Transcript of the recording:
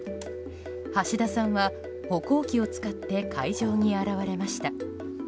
橋田さんは、歩行器を使って会場に現れました。